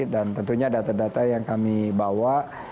dan tentunya data data yang kami bawa